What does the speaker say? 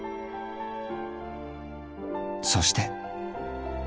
そして。